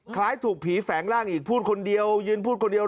คล้ายถูกผีแฝงร่างอีกพูดคนเดียวยืนพูดคนเดียว